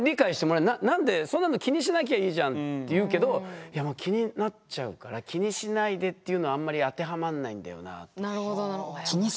「何でそんなの気にしなきゃいいじゃん」って言うけど気になっちゃうから「気にしないで」っていうのはあんまり当てはまんないんだよなぁ。